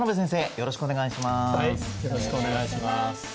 よろしくお願いします。